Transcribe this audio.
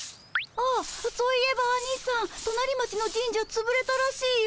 あっそういえばアニさんとなり町の神社つぶれたらしいよ。